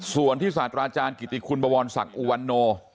ส่วนที่ศาสตราอาจารย์กิติคุณบวรศักดิ์อุวันโน